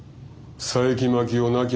佐伯真樹夫亡き